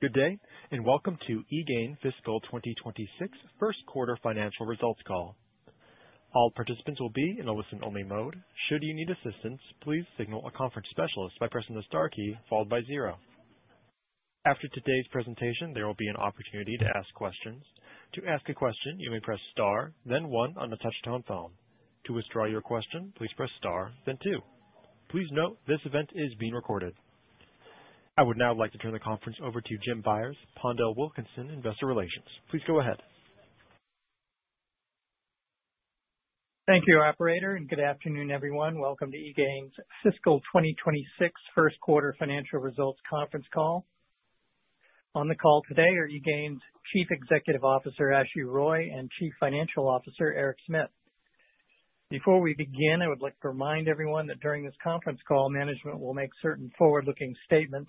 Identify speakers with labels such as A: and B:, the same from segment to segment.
A: Good day, and welcome to eGain fiscal 2026 first quarter financial results call. All participants will be in a listen-only mode. Should you need assistance, please signal a conference specialist by pressing the star key followed by zero. After today's presentation, there will be an opportunity to ask questions. To ask a question, you may press star, then one on the touch-tone phone. To withdraw your question, please press star, then two. Please note this event is being recorded. I would now like to turn the conference over to Jim Byers, PondelWilkinson Investor Relations. Please go ahead.
B: Thank you, Operator, and good afternoon, everyone. Welcome to eGain's fiscal 2026 first quarter financial results conference call. On the call today are eGain's Chief Executive Officer, Ashu Roy, and Chief Financial Officer, Eric Smit. Before we begin, I would like to remind everyone that during this conference call, management will make certain forward-looking statements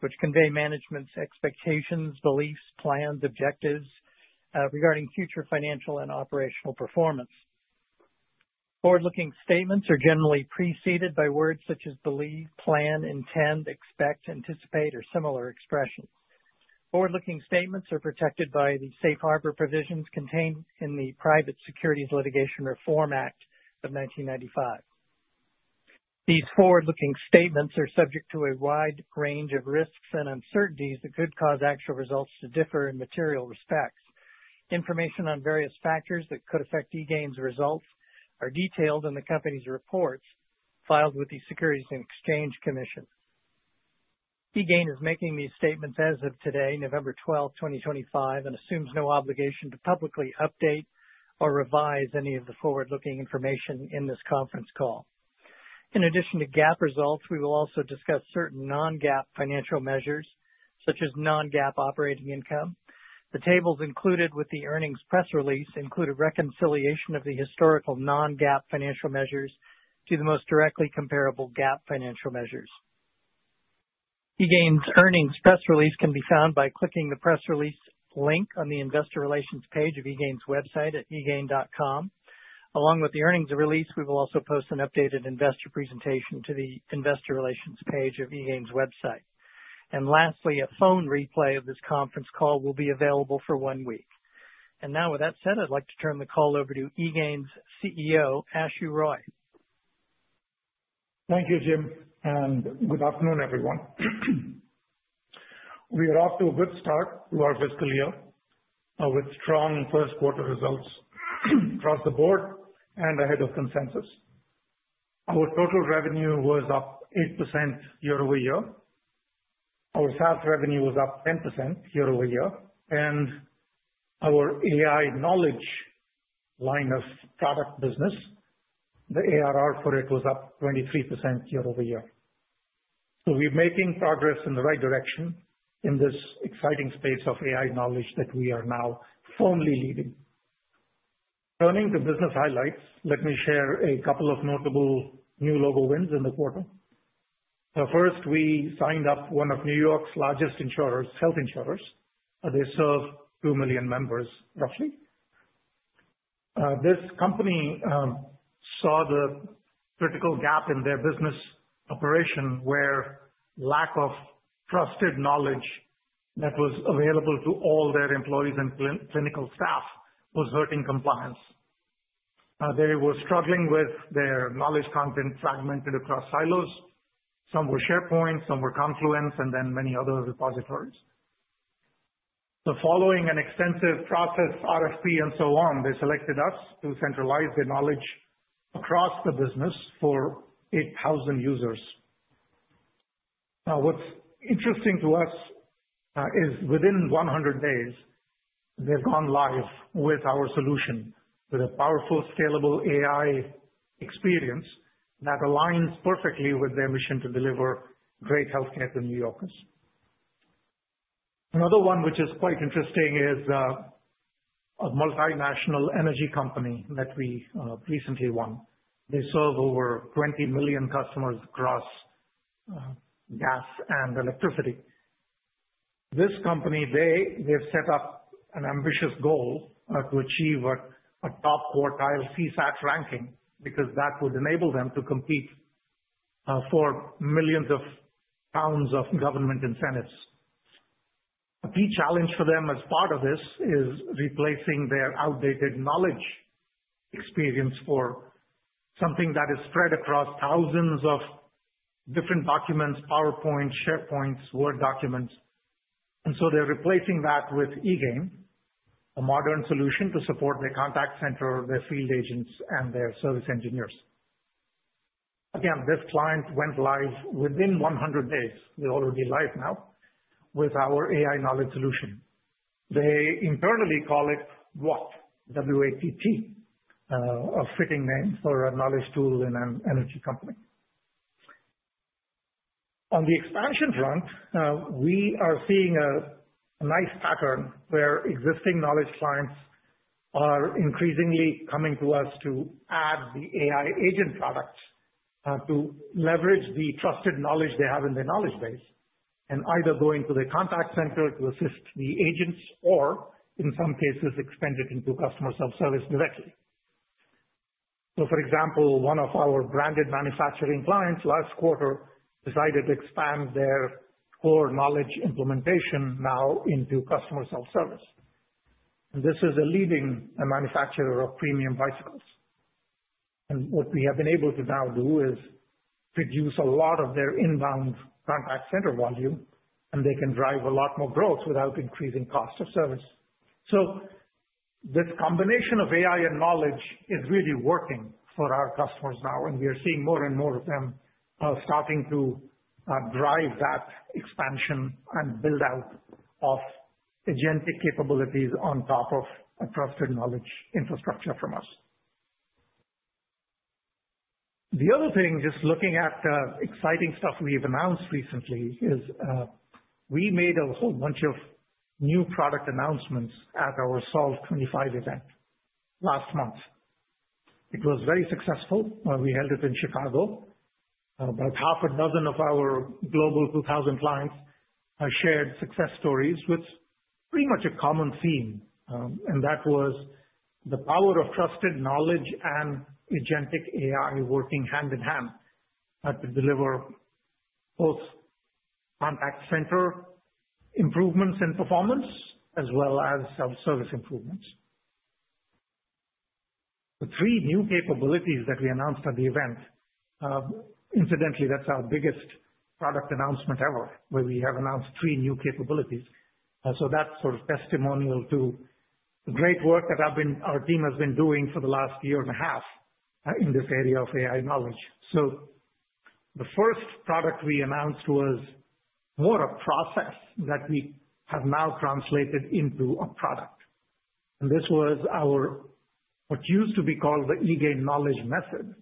B: which convey management's expectations, beliefs, plans, objectives regarding future financial and operational performance. Forward-looking statements are generally preceded by words such as believe, plan, intend, expect, anticipate, or similar expressions. Forward-looking statements are protected by the Safe Harbor Provisions contained in the Private Securities Litigation Reform Act of 1995. These forward-looking statements are subject to a wide range of risks and uncertainties that could cause actual results to differ in material respects. Information on various factors that could affect eGain's results are detailed in the company's reports filed with the Securities and Exchange Commission. eGain is making these statements as of today, November 12, 2025, and assumes no obligation to publicly update or revise any of the forward-looking information in this conference call. In addition to GAAP results, we will also discuss certain non-GAAP financial measures such as non-GAAP operating income. The tables included with the earnings press release include a reconciliation of the historical non-GAAP financial measures to the most directly comparable GAAP financial measures. eGain's earnings press release can be found by clicking the press release link on the Investor Relations page of eGain's website at egain.com. Along with the earnings release, we will also post an updated investor presentation to the Investor Relations page of eGain's website. And lastly, a phone replay of this conference call will be available for one week. And now, with that said, I'd like to turn the call over to eGain's CEO, Ashu Roy.
C: Thank you, Jim. And good afternoon, everyone. We are off to a good start to our fiscal year with strong first quarter results across the board and ahead of consensus. Our total revenue was up 8% year-over-year. Our SaaS revenue was up 10% year-over-year. And our AI Knowledge line of product business, the ARR for it, was up 23% year-over-year. So we're making progress in the right direction in this exciting space of AI Knowledge that we are now firmly leading. Turning to business highlights, let me share a couple of notable new logo wins in the quarter. First, we signed up one of New York's largest insurers, health insurers. They serve two million members, roughly. This company saw the critical gap in their business operation where lack of trusted knowledge that was available to all their employees and clinical staff was hurting compliance. They were struggling with their knowledge content fragmented across silos. Some were SharePoint, some were Confluence, and then many other repositories. So following an extensive process, RFP, and so on, they selected us to centralize their knowledge across the business for 8,000 users. Now, what's interesting to us is within 100 days, they've gone live with our solution with a powerful, scalable AI experience that aligns perfectly with their mission to deliver great healthcare to New Yorkers. Another one which is quite interesting is a multinational energy company that we recently won. They serve over 20 million customers across gas and electricity. This company, they've set up an ambitious goal to achieve a top quartile CSAT ranking because that would enable them to compete for millions of pounds of government incentives. A key challenge for them as part of this is replacing their outdated knowledge experience for something that is spread across thousands of different documents: PowerPoint, SharePoint, Word documents, and so they're replacing that with eGain, a modern solution to support their contact center, their field agents, and their service engineers. Again, this client went live within 100 days. They're already live now with our AI Knowledge solution. They internally call it [WATT], a fitting name for a knowledge tool in an energy company. On the expansion front, we are seeing a nice pattern where existing knowledge clients are increasingly coming to us to add the AI agent product to leverage the trusted knowledge they have in their knowledge base and either going to the contact center to assist the agents or, in some cases, expand it into customer self-service directly. So, for example, one of our branded manufacturing clients last quarter decided to expand their core knowledge implementation now into customer self-service. And this is a leading manufacturer of premium bicycles. And what we have been able to now do is reduce a lot of their inbound contact center volume, and they can drive a lot more growth without increasing cost of service. So this combination of AI and knowledge is really working for our customers now, and we are seeing more and more of them starting to drive that expansion and build out of agentic capabilities on top of a trusted knowledge infrastructure from us. The other thing, just looking at exciting stuff we've announced recently, is we made a whole bunch of new product announcements at our Solve 25 event last month. It was very successful. We held it in Chicago. About half a dozen of our Global 2,000 clients shared success stories with pretty much a common theme, and that was the power of trusted knowledge and agentic AI working hand in hand to deliver both contact center improvements in performance as well as self-service improvements. The three new capabilities that we announced at the event. Incidentally, that's our biggest product announcement ever, where we have announced three new capabilities. So that's sort of testimonial to the great work that our team has been doing for the last year and a half in this area of AI Knowledge. So the first product we announced was more a process that we have now translated into a product, and this was our what used to be called the eGain Knowledge Method.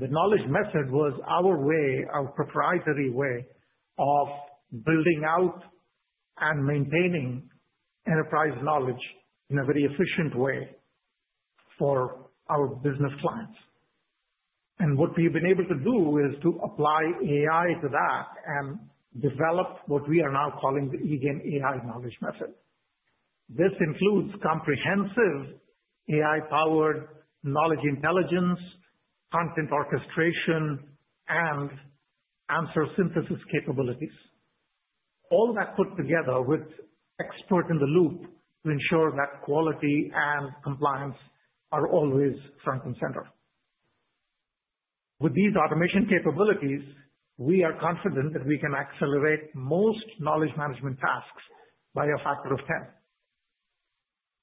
C: The Knowledge Method was our way, our proprietary way of building out and maintaining enterprise knowledge in a very efficient way for our business clients. And what we've been able to do is to apply AI to that and develop what we are now calling the eGain AI Knowledge Method. This includes comprehensive AI-powered knowledge intelligence, content orchestration, and answer synthesis capabilities. All that put together with expert in the loop to ensure that quality and compliance are always front and center. With these automation capabilities, we are confident that we can accelerate most knowledge management tasks by a factor of 10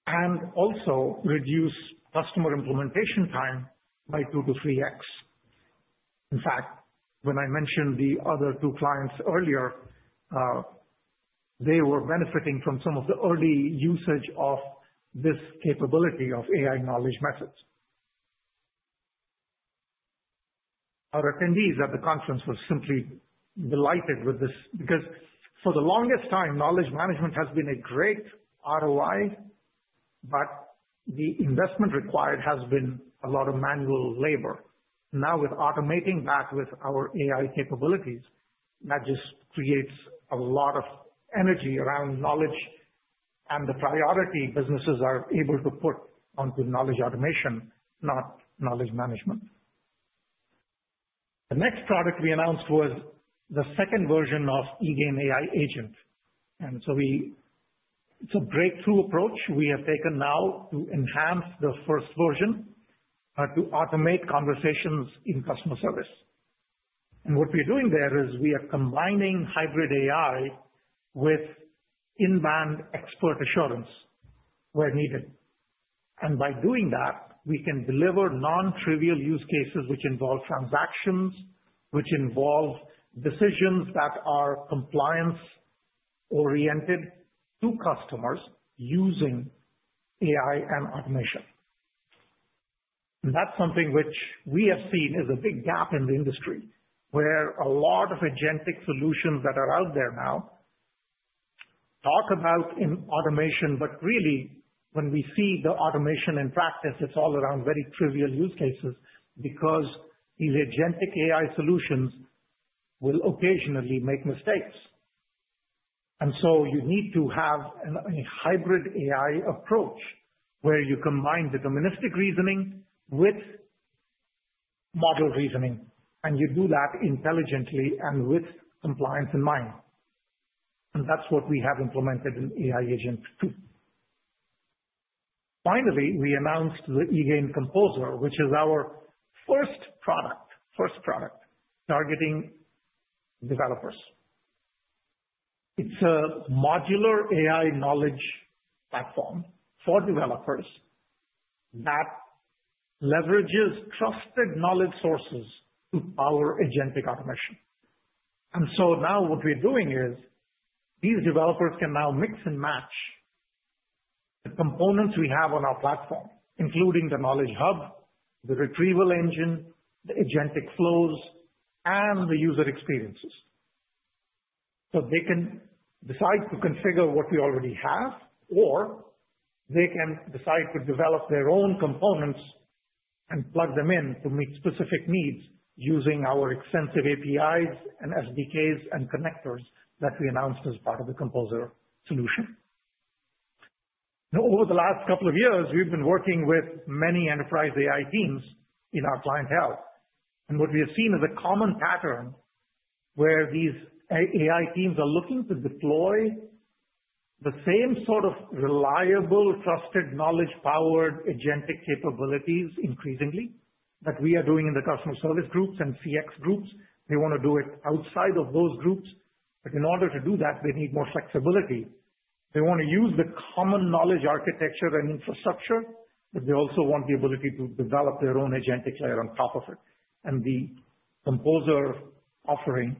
C: and also reduce customer implementation time by 2x-3x. In fact, when I mentioned the other two clients earlier, they were benefiting from some of the early usage of this capability of AI Knowledge Methods. Our attendees at the conference were simply delighted with this because for the longest time, knowledge management has been a great ROI, but the investment required has been a lot of manual labor. Now, with automating that with our AI capabilities, that just creates a lot of energy around knowledge and the priority businesses are able to put onto knowledge automation, not knowledge management. The next product we announced was the second version of eGain AI Agent. And so it's a breakthrough approach we have taken now to enhance the first version to automate conversations in customer service. And what we're doing there is we are combining hybrid AI with inbound expert assurance where needed. And by doing that, we can deliver non-trivial use cases which involve transactions, which involve decisions that are compliance-oriented to customers using AI and automation. That's something which we have seen is a big gap in the industry where a lot of agentic solutions that are out there now talk about automation. But really, when we see the automation in practice, it's all around very trivial use cases because these agentic AI solutions will occasionally make mistakes. So you need to have a hybrid AI approach where you combine deterministic reasoning with model reasoning, and you do that intelligently and with compliance in mind. That's what we have implemented in AI Agent 2. Finally, we announced the eGain Composer, which is our first product targeting developers. It's a modular AI Knowledge platform for developers that leverages trusted knowledge sources to power agentic automation. And so now what we're doing is these developers can now mix and match the components we have on our platform, including the knowledge hub, the retrieval engine, the agentic flows, and the user experiences. So they can decide to configure what we already have, or they can decide to develop their own components and plug them in to meet specific needs using our extensive APIs and SDKs and connectors that we announced as part of the Composer solution. Now, over the last couple of years, we've been working with many enterprise AI teams in our clientele. And what we have seen is a common pattern where these AI teams are looking to deploy the same sort of reliable, trusted, knowledge-powered agentic capabilities increasingly that we are doing in the customer service groups and CX groups. They want to do it outside of those groups. But in order to do that, they need more flexibility. They want to use the common knowledge architecture and infrastructure, but they also want the ability to develop their own agentic layer on top of it. And the Composer offering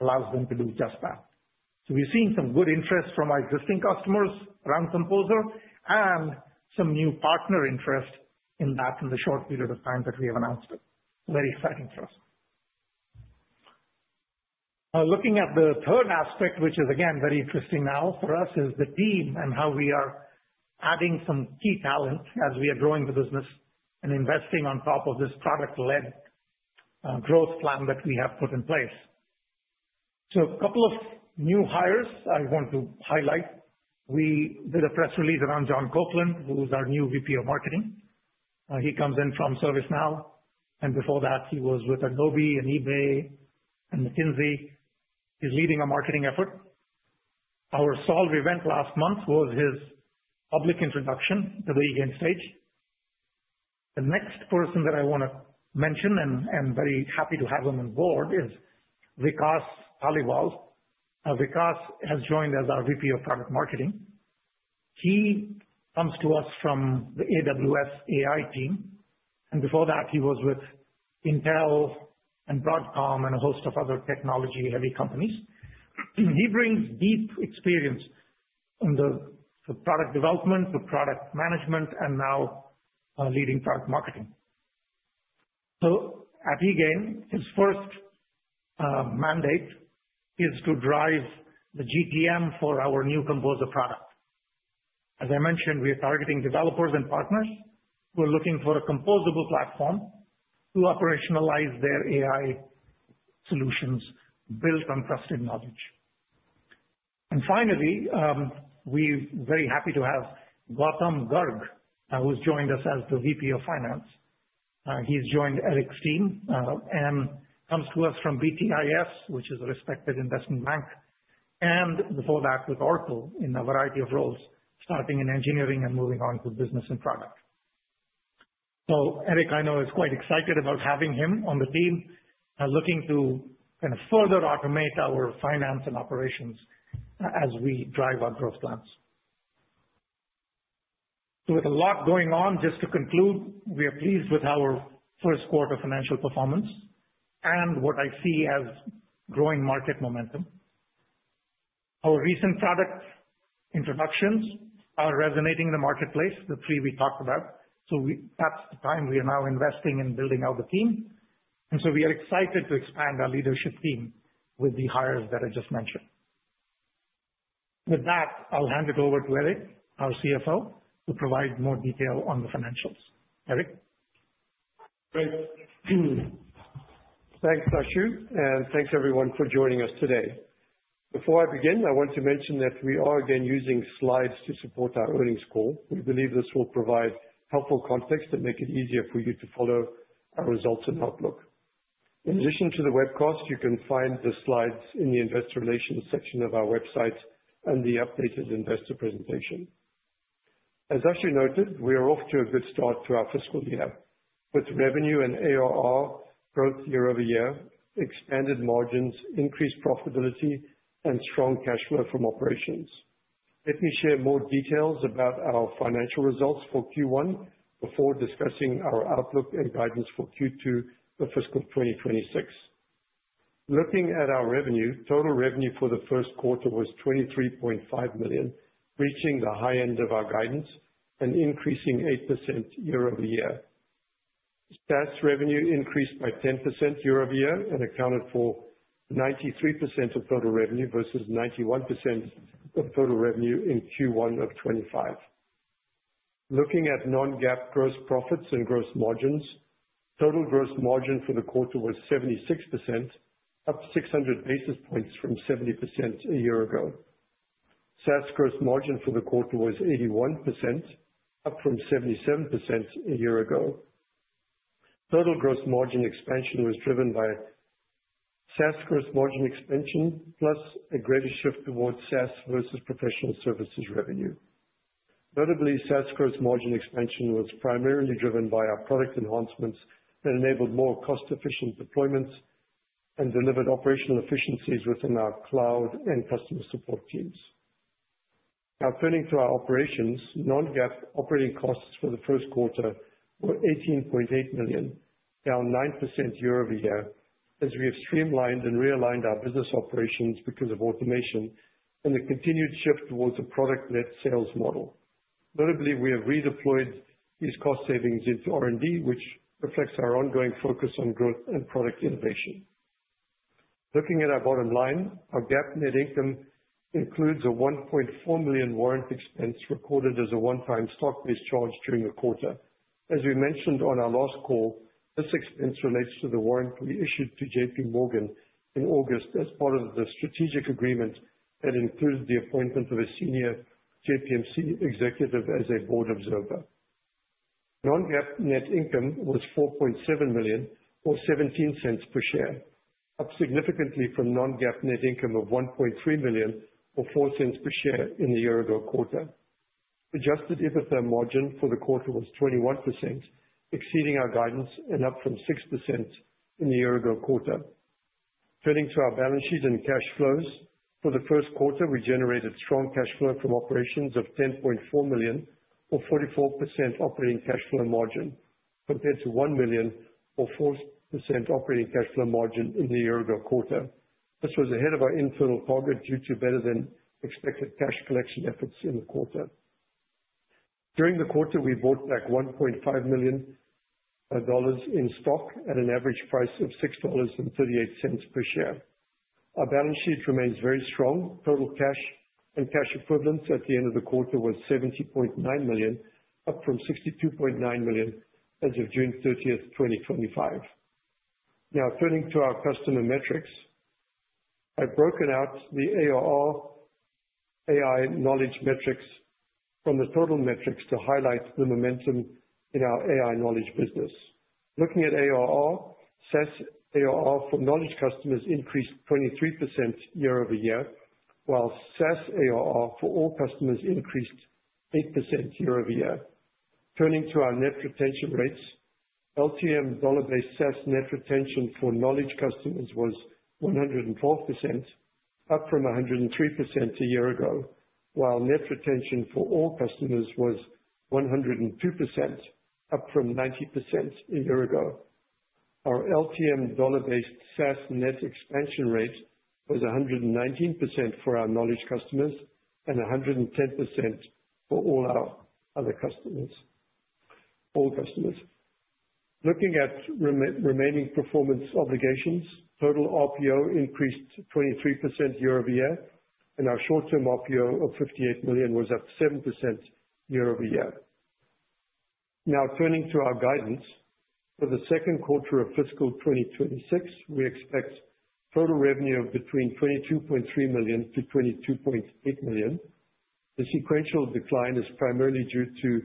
C: allows them to do just that. So we're seeing some good interest from our existing customers around Composer and some new partner interest in that in the short period of time that we have announced it. Very exciting for us. Looking at the third aspect, which is again very interesting now for us, is the team and how we are adding some key talent as we are growing the business and investing on top of this product-led growth plan that we have put in place. So a couple of new hires I want to highlight. We did a press release around John Copeland, who is our new VP of Marketing. He comes in from ServiceNow. And before that, he was with Adobe and eBay and McKinsey. He's leading a marketing effort. Our Solve event last month was his public introduction to the eGain stage. The next person that I want to mention, and I'm very happy to have him on board, is Vikas Paliwal. Vikas has joined as our VP of Product Marketing. He comes to us from the AWS AI team. And before that, he was with Intel and Broadcom and a host of other technology-heavy companies. He brings deep experience in the product development, the product management, and now leading product marketing. So at eGain, his first mandate is to drive the GTM for our new Composer product. As I mentioned, we are targeting developers and partners who are looking for a composable platform to operationalize their AI solutions built on trusted knowledge. And finally, we're very happy to have Gautam Garg, who's joined us as the VP of Finance. He's joined Eric's team and comes to us from BTIG, which is a respected investment bank, and before that with Oracle in a variety of roles, starting in engineering and moving on to business and product. So Eric, I know, is quite excited about having him on the team and looking to kind of further automate our finance and operations as we drive our growth plans. So with a lot going on, just to conclude, we are pleased with our first quarter financial performance and what I see as growing market momentum. Our recent product introductions are resonating in the marketplace, the three we talked about. So that's the time we are now investing in building out the team. And so we are excited to expand our leadership team with the hires that I just mentioned. With that, I'll hand it over to Eric, our CFO, to provide more detail on the financials. Eric?
D: Great. Thanks, Ashu. And thanks, everyone, for joining us today. Before I begin, I want to mention that we are again using slides to support our earnings call. We believe this will provide helpful context to make it easier for you to follow our results and outlook. In addition to the webcast, you can find the slides in the investor relations section of our website and the updated investor presentation. As Ashu noted, we are off to a good start to our fiscal year with revenue and ARR growth year-over-year, expanded margins, increased profitability, and strong cash flow from operations. Let me share more details about our financial results for Q1 before discussing our outlook and guidance for Q2 of fiscal 2026. Looking at our revenue, total revenue for the first quarter was $23.5 million, reaching the high end of our guidance and increasing 8% year-over-year. SaaS revenue increased by 10% year-over-year and accounted for 93% of total revenue versus 91% of total revenue in Q1 of 2025. Looking at non-GAAP gross profits and gross margins, total gross margin for the quarter was 76%, up 600 basis points from 70% a year ago. SaaS gross margin for the quarter was 81%, up from 77% a year ago. Total gross margin expansion was driven by SaaS gross margin expansion plus a greater shift towards SaaS versus professional services revenue. Notably, SaaS gross margin expansion was primarily driven by our product enhancements that enabled more cost-efficient deployments and delivered operational efficiencies within our cloud and customer support teams. Now, turning to our operations, Non-GAAP operating costs for the first quarter were $18.8 million, down 9% year-over-year, as we have streamlined and realigned our business operations because of automation and the continued shift towards a product-led sales model. Notably, we have redeployed these cost savings into R&D, which reflects our ongoing focus on growth and product innovation. Looking at our bottom line, our GAAP net income includes a $1.4 million warrant expense recorded as a one-time stock-based charge during the quarter. As we mentioned on our last call, this expense relates to the warrant we issued to JPMorgan in August as part of the strategic agreement that includes the appointment of a senior JPMC executive as a board observer. Non-GAAP net income was $4.7 million or $0.17 per share, up significantly from non-GAAP net income of $1.3 million or $0.04 per share in the year-ago quarter. Adjusted EBITDA margin for the quarter was 21%, exceeding our guidance and up from 6% in the year-ago quarter. Turning to our balance sheet and cash flows, for the first quarter, we generated strong cash flow from operations of $10.4 million or 44% operating cash flow margin compared to $1 million or 4% operating cash flow margin in the year-ago quarter. This was ahead of our internal target due to better-than-expected cash collection efforts in the quarter. During the quarter, we bought back $1.5 million in stock at an average price of $6.38 per share. Our balance sheet remains very strong. Total cash and cash equivalents at the end of the quarter was $70.9 million, up from $62.9 million as of June 30, 2025. Now, turning to our customer metrics, I've broken out the ARR AI Knowledge metrics from the total metrics to highlight the momentum in our AI Knowledge business. Looking at ARR, SaaS ARR for knowledge customers increased 23% year-over-year, while SaaS ARR for all customers increased 8% year-over-year. Turning to our net retention rates, LTM dollar-based SaaS net retention for knowledge customers was 112%, up from 103% a year ago, while net retention for all customers was 102%, up from 90% a year ago. Our LTM dollar-based SaaS net expansion rate was 119% for our knowledge customers and 110% for all our other customers, all customers. Looking at remaining performance obligations, total RPO increased 23% year-over-year, and our short-term RPO of $58 million was up 7% year-over-year. Now, turning to our guidance, for the second quarter of fiscal 2026, we expect total revenue of between $22.3 million-$22.8 million. The sequential decline is primarily due to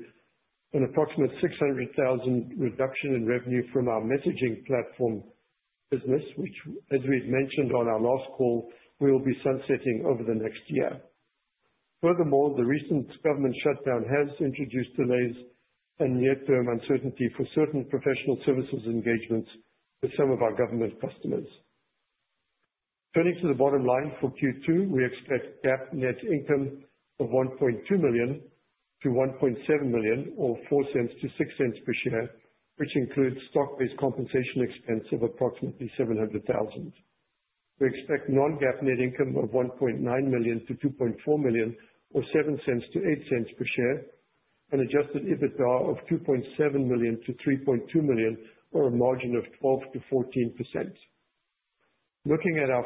D: an approximate $600,000 reduction in revenue from our messaging platform business, which, as we had mentioned on our last call, we will be sunsetting over the next year. Furthermore, the recent government shutdown has introduced delays and near-term uncertainty for certain professional services engagements with some of our government customers. Turning to the bottom line for Q2, we expect GAAP net income of $1.2 million-$1.7 million or $0.04-$0.06 per share, which includes stock-based compensation expense of approximately $700,000. We expect non-GAAP net income of $1.9 million-$2.4 million or $0.07-$0.08 per share, an Adjusted EBITDA of $2.7 million-$3.2 million or a margin of 12%-14%. Looking at our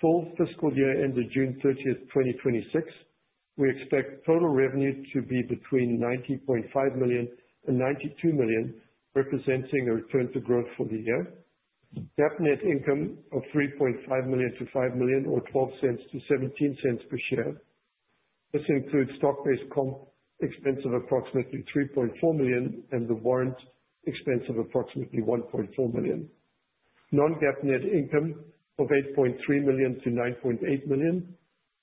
D: full fiscal year end of June 30, 2026, we expect total revenue to be between $90.5 million and $92 million, representing a return to growth for the year. GAAP net income of $3.5 million-$5 million or $0.12-$0.17 per share. This includes stock-based comp expense of approximately $3.4 million and the warrant expense of approximately $1.4 million. Non-GAAP net income of $8.3 million-$9.8 million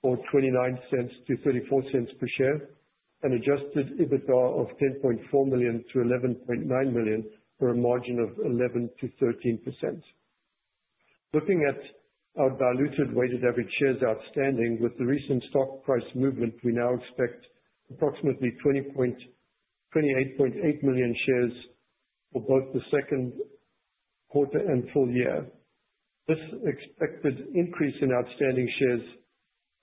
D: or $0.29-$0.34 per share, an Adjusted EBITDA of $10.4 million-$11.9 million for a margin of 11%-13%. Looking at our diluted weighted average shares outstanding, with the recent stock price movement, we now expect approximately 28.8 million shares for both the second quarter and full year. This expected increase in outstanding shares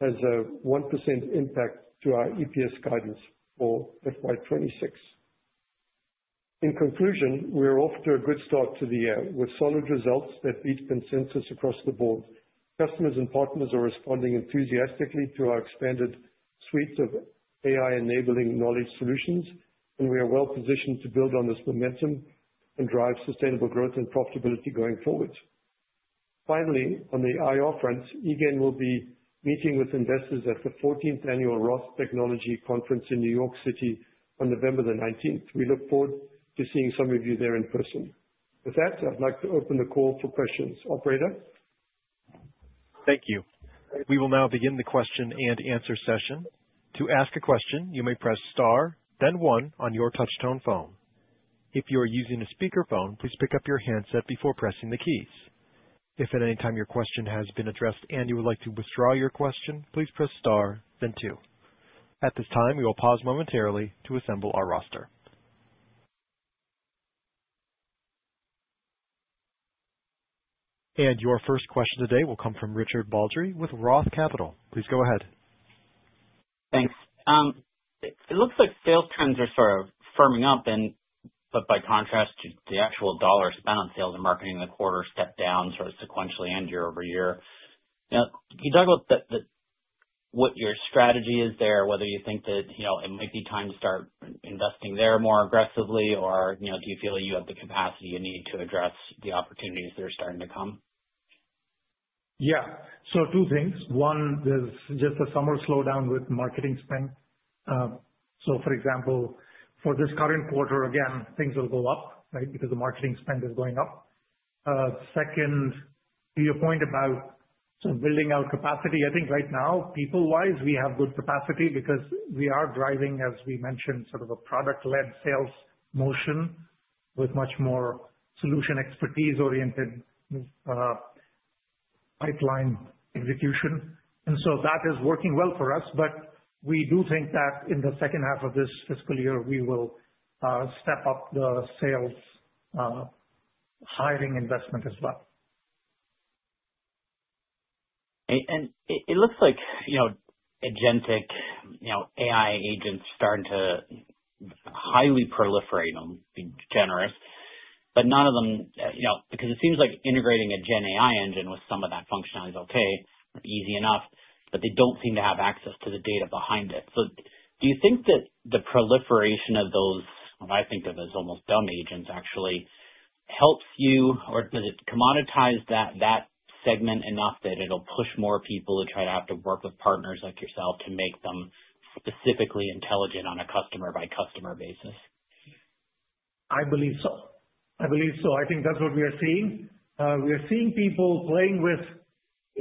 D: has a 1% impact to our EPS guidance for FY 2026. In conclusion, we are off to a good start to the year with solid results that beat consensus across the board. Customers and partners are responding enthusiastically to our expanded suite of AI-enabling knowledge solutions, and we are well positioned to build on this momentum and drive sustainable growth and profitability going forward. Finally, on the IR fronts, eGain will be meeting with investors at the 14th Annual ROTH Technology Conference in New York City on November the 19th. We look forward to seeing some of you there in person. With that, I'd like to open the call for questions. Operator?
A: Thank you. We will now begin the question-and-answer session. To ask a question, you may press star, then one on your touch-tone phone. If you are using a speakerphone, please pick up your handset before pressing the keys. If at any time your question has been addressed and you would like to withdraw your question, please press star, then two. At this time, we will pause momentarily to assemble our roster. And your first question today will come from Richard Baldry with ROTH Capital. Please go ahead.
E: Thanks. It looks like sales trends are sort of firming up, but by contrast, the actual dollar spent on sales and marketing in the quarter stepped down sort of sequentially and year-over-year. Can you talk about what your strategy is there, whether you think that it might be time to start investing there more aggressively, or do you feel that you have the capacity you need to address the opportunities that are starting to come?
C: Yeah. So two things. One, there's just a summer slowdown with marketing spend. So for example, for this current quarter, again, things will go up, right, because the marketing spend is going up. Second, to your point about sort of building out capacity, I think right now, people-wise, we have good capacity because we are driving, as we mentioned, sort of a product-led sales motion with much more solution expertise-oriented pipeline execution. And so that is working well for us, but we do think that in the second half of this fiscal year, we will step up the sales hiring investment as well.
E: It looks like Agentic AI agents starting to highly proliferate them, but generally, but none of them because it seems like integrating a GenAI engine with some of that functionality is okay, easy enough, but they don't seem to have access to the data behind it. So do you think that the proliferation of those, what I think of as almost dumb agents, actually helps you, or does it commoditize that segment enough that it'll push more people to try to have to work with partners like yourself to make them specifically intelligent on a customer-by-customer basis?
C: I believe so. I believe so. I think that's what we are seeing. We are seeing people playing with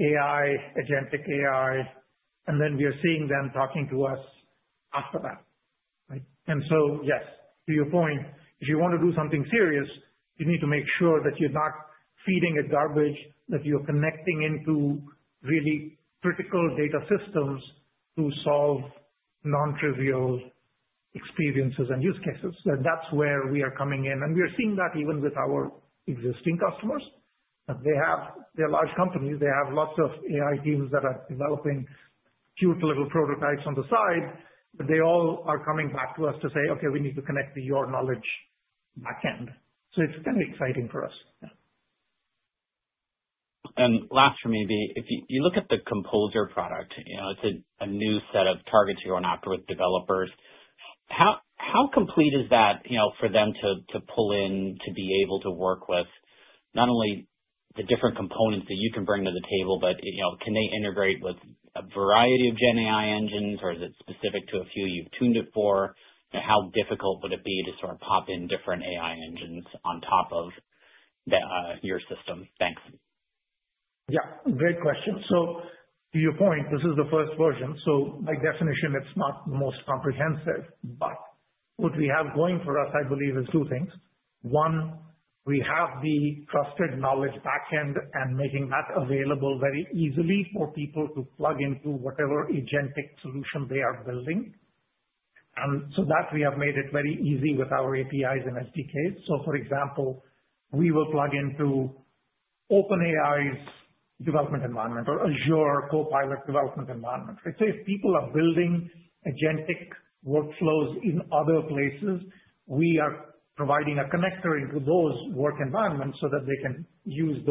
C: AI, agentic AI, and then we are seeing them talking to us after that, right? And so, yes, to your point, if you want to do something serious, you need to make sure that you're not feeding it garbage, that you're connecting into really critical data systems to solve non-trivial experiences and use cases. That's where we are coming in. And we are seeing that even with our existing customers. They're large companies. They have lots of AI teams that are developing cute little prototypes on the side, but they all are coming back to us to say, "Okay, we need to connect to your knowledge backend." So it's kind of exciting for us.
E: Last for me, if you look at the Composer product, it's a new set of targets you're going after with developers. How complete is that for them to pull in to be able to work with not only the different components that you can bring to the table, but can they integrate with a variety of GenAI engines, or is it specific to a few you've tuned it for? How difficult would it be to sort of pop in different AI engines on top of your system? Thanks.
C: Yeah. Great question. So to your point, this is the first version. So by definition, it's not the most comprehensive, but what we have going for us, I believe, is two things. One, we have the trusted knowledge backend and making that available very easily for people to plug into whatever agentic solution they are building. And so that, we have made it very easy with our APIs and SDKs. So for example, we will plug into OpenAI's development environment or Azure Copilot development environment. So if people are building agentic workflows in other places, we are providing a connector into those work environments so that they can use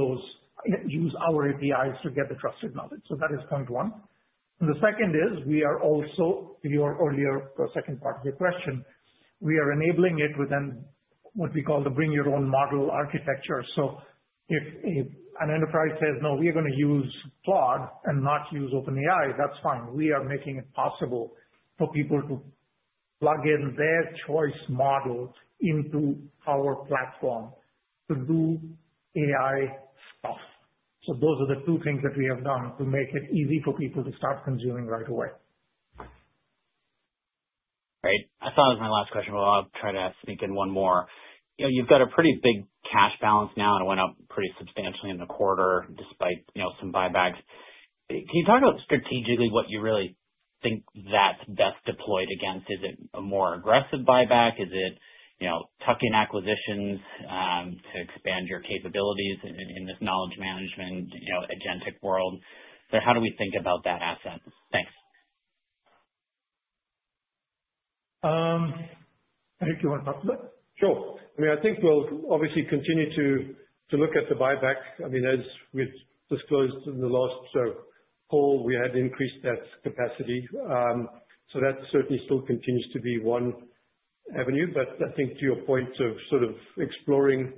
C: our APIs to get the trusted knowledge. So that is point one. And the second is we are also, to your earlier second part of your question, we are enabling it within what we call the bring-your-own-model architecture. So if an enterprise says, "No, we are going to use Claude and not use OpenAI," that's fine. We are making it possible for people to plug in their choice model into our platform to do AI stuff. So those are the two things that we have done to make it easy for people to start consuming right away.
E: Great. I thought it was my last question, but I'll try to sneak in one more. You've got a pretty big cash balance now, and it went up pretty substantially in the quarter despite some buybacks. Can you talk about strategically what you really think that's best deployed against? Is it a more aggressive buyback? Is it tuck-in acquisitions to expand your capabilities in this knowledge management agentic world? How do we think about that asset? Thanks.
C: I think you want to talk to that?
D: Sure. I mean, I think we'll obviously continue to look at the buyback. I mean, as we've disclosed in the last call, we had increased that capacity. So that certainly still continues to be one avenue. But I think to your point of sort of exploring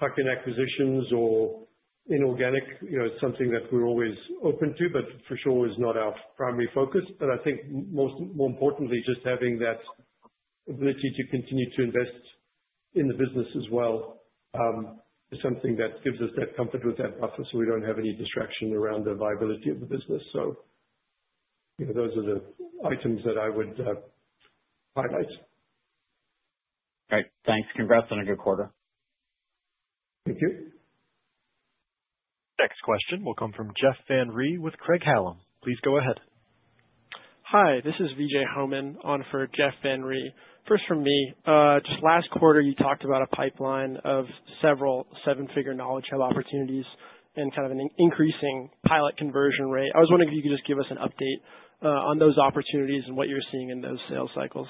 D: tuck-in acquisitions or inorganic, it's something that we're always open to, but for sure is not our primary focus. But I think more importantly, just having that ability to continue to invest in the business as well is something that gives us that comfort with that buffer so we don't have any distraction around the viability of the business. So those are the items that I would highlight.
E: Great. Thanks. Congrats on a good quarter.
C: Thank you. Next question will come from Jeff Van Rhee with Craig-Hallum. Please go ahead.
F: Hi, this is Vijay Homan, on for Jeff Van Rhee. First from me. Just last quarter, you talked about a pipeline of several seven-figure Knowledge Hub opportunities and kind of an increasing pilot conversion rate. I was wondering if you could just give us an update on those opportunities and what you're seeing in those sales cycles.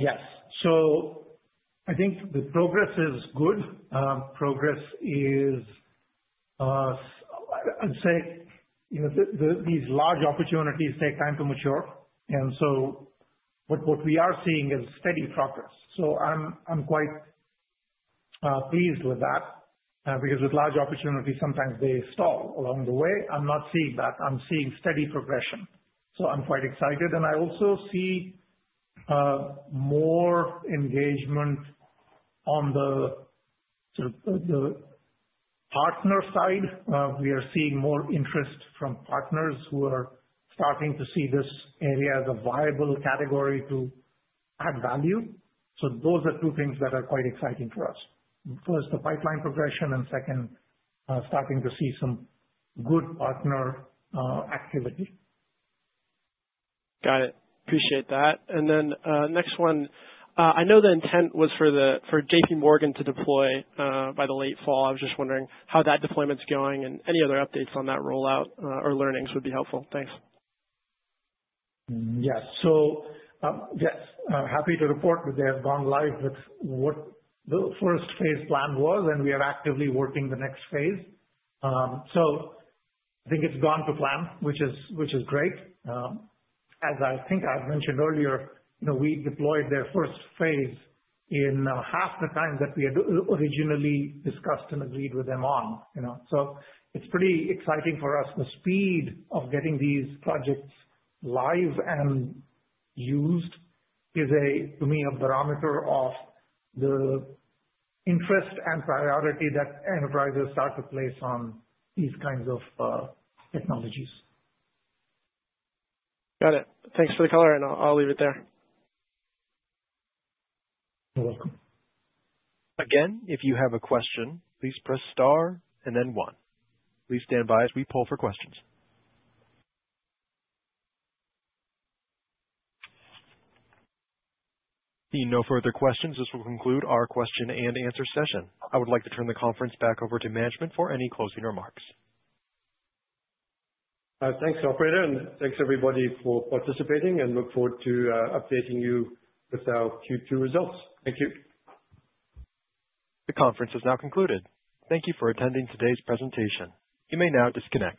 C: Yes. So I think the progress is good. Progress is, I'd say, these large opportunities take time to mature. And so what we are seeing is steady progress. So I'm quite pleased with that because with large opportunities, sometimes they stall along the way. I'm not seeing that. I'm seeing steady progression. So I'm quite excited. And I also see more engagement on the partner side. We are seeing more interest from partners who are starting to see this area as a viable category to add value. So those are two things that are quite exciting for us. First, the pipeline progression, and second, starting to see some good partner activity.
F: Got it. Appreciate that. And then next one, I know the intent was for JPMorgan to deploy by the late fall. I was just wondering how that deployment's going and any other updates on that rollout or learnings would be helpful. Thanks.
C: Yes. So yes, happy to report that they have gone live with what the first phase plan was, and we are actively working the next phase. So I think it's gone to plan, which is great. As I think I've mentioned earlier, we deployed their first phase in half the time that we had originally discussed and agreed with them on. So it's pretty exciting for us. The speed of getting these projects live and used is, to me, a barometer of the interest and priority that enterprises start to place on these kinds of technologies.
F: Got it. Thanks for the color, and I'll leave it there.
C: You're welcome.
A: Again, if you have a question, please press star and then one. Please stand by as we pull for questions. Seeing no further questions, this will conclude our question-and-answer session. I would like to turn the conference back over to management for any closing remarks.
B: Thanks, Operator, and thanks, everybody, for participating, and look forward to updating you with our Q2 results. Thank you.
A: The conference is now concluded. Thank you for attending today's presentation. You may now disconnect.